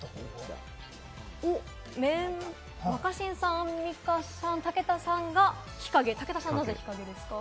若新さん、アンミカさん、武田さんが日陰、武田さん、なぜですか？